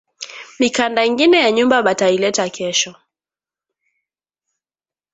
Mikanda ingine ya nyumba bata ileta kesho